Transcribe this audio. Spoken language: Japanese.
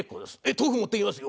豆腐持ってきますよ。